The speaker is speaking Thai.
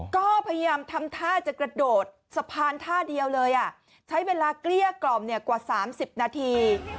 ก็พยายามทำท่าจะกระโดดสะพานท่าเดียวเลยอ่ะใช้เวลาเกลี้ยกล่อมเนี่ยกว่า๓๐นาที